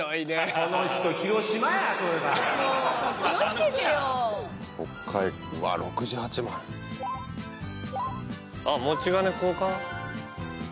あっ持ち金交換？